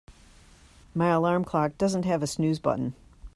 My alarm clock doesn't have a snooze button.